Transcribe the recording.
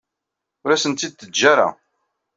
Ur asent-tt-id-teǧǧa ara.